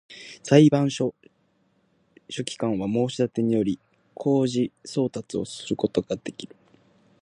裁判所書記官は、申立てにより、公示送達をすることができる